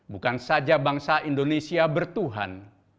bukan saja bangsa indonesia bertuhan